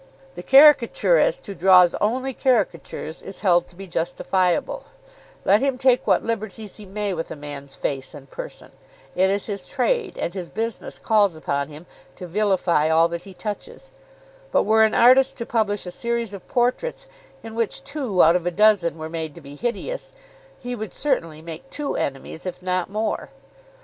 The caricaturist, who draws only caricatures, is held to be justifiable, let him take what liberties he may with a man's face and person. It is his trade, and his business calls upon him to vilify all that he touches. But were an artist to publish a series of portraits, in which two out of a dozen were made to be hideous, he would certainly make two enemies, if not more.